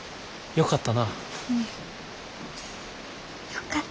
よかった。